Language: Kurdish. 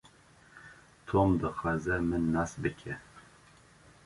Tom dixwaze min nas bike.